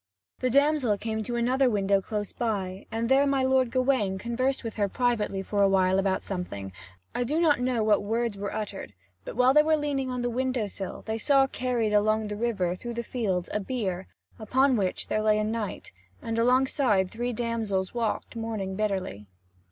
The damsel came to another window close by, and there my lord Gawain conversed with her privately for a while about something, I know not what. I do not know what words were uttered, but while they were leaning on the window sill they saw carried along the river through the fields a bier, upon which there lay a knight, and alongside three damsels walked, mourning bitterly.